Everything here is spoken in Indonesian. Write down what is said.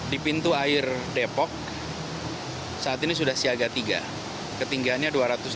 di pintu air depok saat ini sudah siaga tiga ketinggiannya dua ratus tujuh puluh